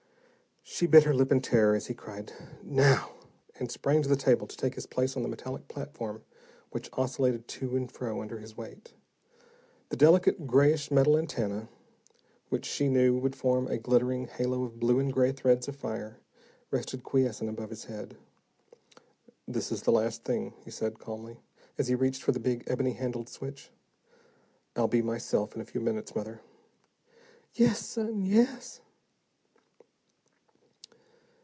She bit her lip in terror, as he cried, "Now!" and sprang to the table to take his place on the metallic platform, which oscillated to and fro under his weight. The delicate grayish metal antenna, which, she knew, would form a glittering halo of blue and gray threads of fire, rested quiescent above his head. "This is the last thing," he said calmly, as he reached for the big ebony handled switch. "I'll be myself in a few minutes, mother." "Yes, son, yes."